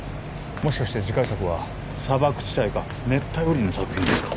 もしかして次回作は砂漠地帯か熱帯雨林の作品ですか？